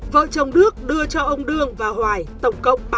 vợ chồng đức đưa cho ông đương và hoài tổng cộng ba trăm sáu mươi hai triệu đồng